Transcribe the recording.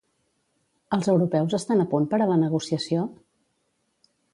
Els europeus estan a punt per a la negociació?